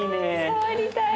触りたい。